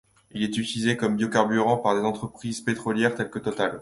Il est utilisé comme biocarburant par des entreprises pétrolières telles que Total.